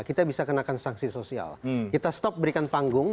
kita bisa kena saksi sosial kita stop berikan panggung